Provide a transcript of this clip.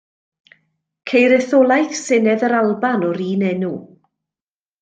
Ceir etholaeth Senedd yr Alban o'r un enw.